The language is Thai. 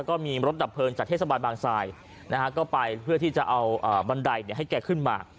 ก็มีรถดับเพลิงจากเทศบาลบางทรายนะฮะก็ไปเพื่อที่จะเอาบันไดให้แกขึ้นมา